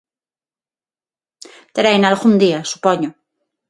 Tereina algún día, supoño.